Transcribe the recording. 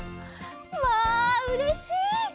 わあうれしい！